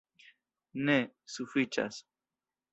Ne, sufiĉas!